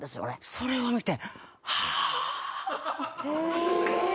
それを見て。